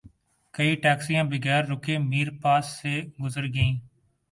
کئی ٹیکسیاں بغیر رکے میر پاس سے گزر گئیں